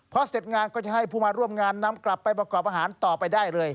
พอเสร็จงานก็จะให้ผู้มาร่วมงานนำกลับไปประกอบอาหารต่อไปได้เลย